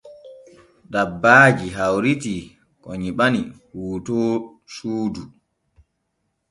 Dabbaaji hawritii ko nyiɓani hootoor suudu.